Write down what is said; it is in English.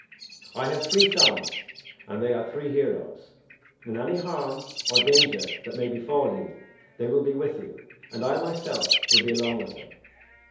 "I have three sons, and they are three heroes, and in any harm or danger that may befall you, they will be with you, and I myself will be along with them."